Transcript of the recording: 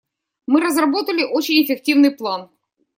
Мы разработали очень эффективный план.